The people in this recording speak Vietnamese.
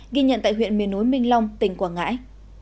ghi nhận tại huyện miền núi minh long tỉnh quảng ngãi